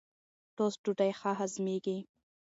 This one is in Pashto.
ټوسټ ډوډۍ ښه هضمېږي.